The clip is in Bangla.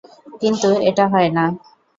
কিন্তু এটা হয় না।